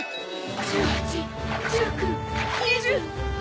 １８１９２０。